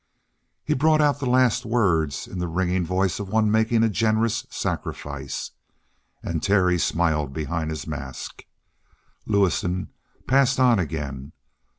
He brought out the last words in the ringing voice of one making a generous sacrifice, and Terry smiled behind his mask. Lewison passed on again.